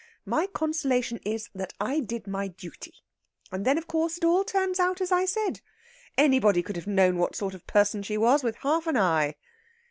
My consolation is that I did my duty. And then, of course, it all turns out as I said. Anybody could have known what sort of person she was with half an eye!"